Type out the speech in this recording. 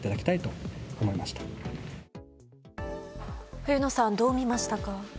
冬野さん、どう見ましたか？